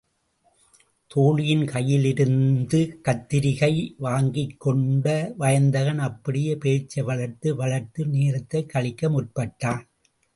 தோழியின் கையிலிருந்து கத்தரிகையை வாங்கிக்கொண்ட வயந்தகன் அப்படியே பேச்சை வளர்த்து வளர்த்து நேரத்தைக் கழிக்க முற்பட்டான்.